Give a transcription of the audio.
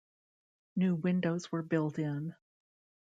New windows were built in.